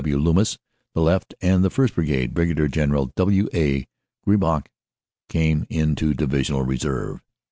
W. Loomis, the left, and the 1st. Brigade, Brig. General W. A. Griesbach, came into Divisional Reserve.